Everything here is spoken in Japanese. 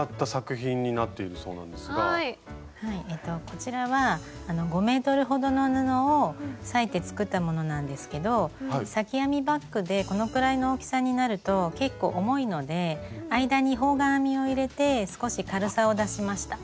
こちらは５ｍほどの布を裂いて作ったものなんですけど裂き編みバッグでこのくらいの大きさになると結構重いので間に方眼編みを入れて少し軽さを出しました。